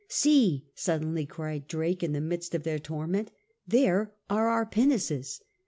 " See," suddenly cried Drake in the midst of their torment, "there are our pinnaces."